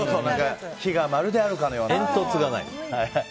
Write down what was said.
火がまるであるかのような。